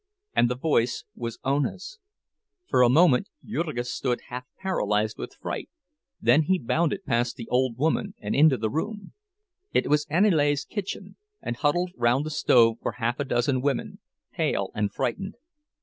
And the voice was Ona's. For a moment Jurgis stood half paralyzed with fright; then he bounded past the old woman and into the room. It was Aniele's kitchen, and huddled round the stove were half a dozen women, pale and frightened.